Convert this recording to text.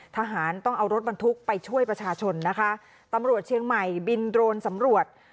ทหารต้องเอารถบรรทุกไปช่วยประชาชนนะคะตำรวจเชียงใหม่บินโดรนสำรวจ